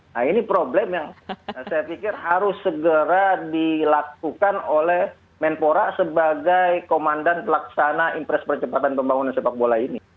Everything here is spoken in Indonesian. nah ini problem yang saya pikir harus segera dilakukan oleh menpora sebagai komandan pelaksana impres percepatan pembangunan sepak bola ini